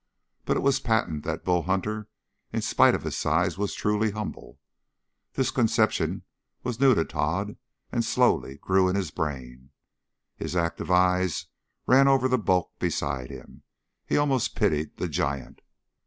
But it was patent that Bull Hunter, in spite of his size, was truly humble. This conception was new to Tod and slowly grew in his brain. His active eyes ran over the bulk beside him; he almost pitied the giant.